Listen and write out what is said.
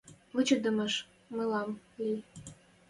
Вычыдымаш мӹлӓм ли.